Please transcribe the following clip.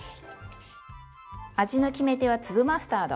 味の決め手は粒マスタード。